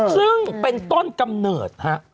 ซึ่งเป็นต้นกำเนิดฮะ